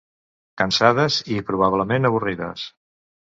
Cansades, i probablement avorrides.